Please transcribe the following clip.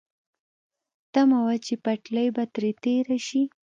تمه وه چې پټلۍ به ترې تېره شي.